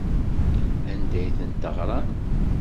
Anda ay tent-teɣram?